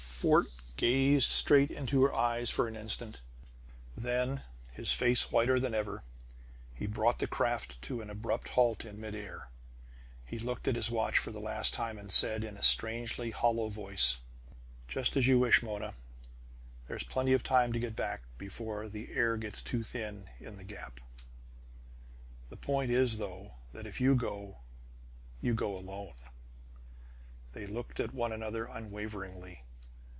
Fort gazed straight into her eyes for an instant; then, his face whiter than ever, he brought the craft to an abrupt halt in mid air. He looked at his watch for the last time, and said, in a strangely hollow voice: "Just as you wish, Mona. There's plenty of time to get back before the air gets too thin in the gap. "The point is, though, that if you go, you go alone!" They looked at one another unwaveringly.